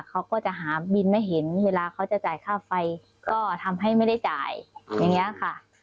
เขาก็จะหาบินไม่เห็นเวลาเขาจะจ่ายค่าไฟก็ทำให้ไม่ได้จ่ายอย่างนี้ค่ะ